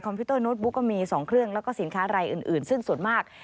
พิวเตอร์โน้ตบุ๊กก็มี๒เครื่องแล้วก็สินค้ารายอื่นซึ่งส่วนมาก